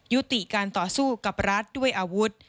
ยุติการต่อสู้กับรัฐด้วยอาวุธ